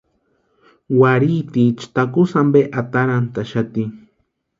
Warhitiecha takusï ampe atarantaxati.